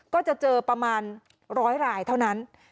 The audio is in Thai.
ก็จะเจอประมาณ๑๐๐รายเท่านั้น